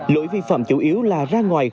lỗi vi phạm chủ yếu là ra ngoài khóa